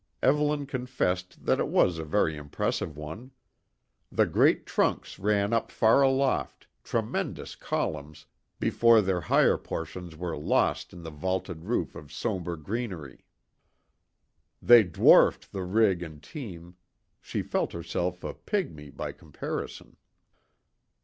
Evelyn confessed that it was a very impressive one. The great trunks ran up far aloft, tremendous columns, before their higher portions were lost in the vaulted roof of sombre greenery. They dwarfed the rig and team; she felt herself a pigmy by comparison.